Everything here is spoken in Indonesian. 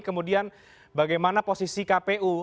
kemudian bagaimana posisi kpu